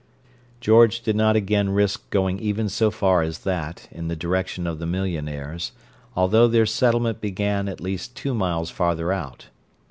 George did not again risk going even so far as that, in the direction of the millionaires, although their settlement began at least two miles farther out.